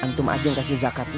antum aja yang kasih zakatnya